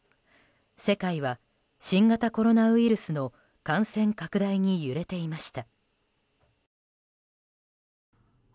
世界は新型コロナウイルスの感染拡大に揺れていました。